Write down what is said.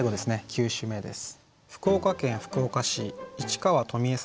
９首目です。